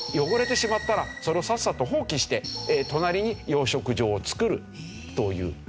汚れてしまったらそれをさっさと放棄して隣に養殖場を作るという。